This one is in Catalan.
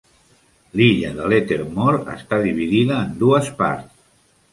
L'illa de Lettermore està dividida en dues parts.